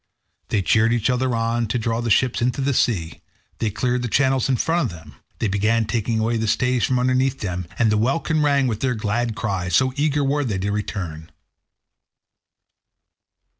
They cheered each other on to draw the ships into the sea; they cleared the channels in front of them; they began taking away the stays from underneath them, and the welkin rang with their glad cries, so eager were they to return.